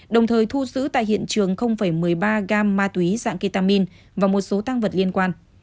đồng thời thu giữ tại hiện trường một mươi ba gam ma túy dạng ketamin và một số tăng vật liên quan